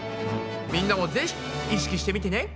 みんなもぜひ意識してみてね。